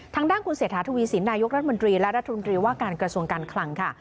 ทางด้านคุณเศรษฐาทวีสินนายกรัฐมนตรีและรัฐมนตรีว่าการกระทรวงการคลังค่ะ